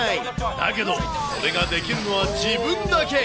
だけど、これができるのは自分だけ。